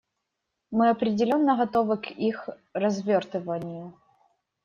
Мы определенно готовы к их развертыванию.